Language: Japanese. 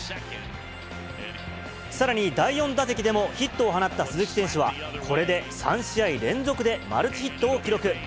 さらに第４打席でもヒットを放った鈴木選手は、これで３試合連続でマルチヒットを記録。